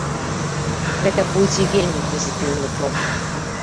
Гэта будзе вельмі пазітыўны крок.